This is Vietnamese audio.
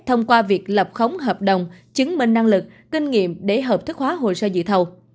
thông qua việc lập khống hợp đồng chứng minh năng lực kinh nghiệm để hợp thức hóa hồ sơ dự thầu